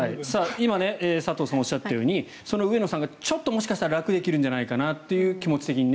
今、佐藤さんがおっしゃったように上野さんがちょっと楽できるんじゃないかなと気持ち的にね。